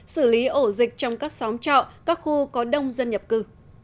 xử lý ổ dịch trong các xóm trọ các khu có đông dân nhập cư